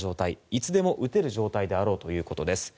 いつでも撃てる状態であろうということです。